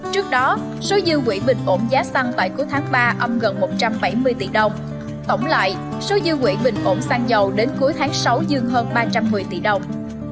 trước đó số dư quỹ bình ổn giá xăng tại cuối tháng ba âm gần một trăm bảy mươi tỷ đồng tổng lại số dư quỹ bình ổn xăng dầu đến cuối tháng sáu dưng hơn ba trăm một mươi tỷ đồng